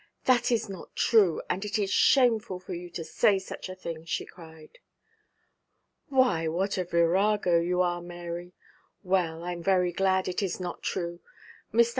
'That is not true, and it is shameful for you to say such a thing,' she cried. 'Why, what a virago you are, Mary. Well, I'm very glad it is not true. Mr.